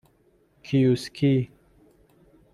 کیوسکی